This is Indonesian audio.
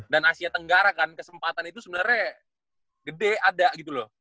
asia tenggara kan kesempatan itu sebenarnya gede ada gitu loh